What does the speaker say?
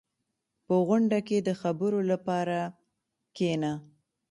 • په غونډه کې د خبرو لپاره کښېنه.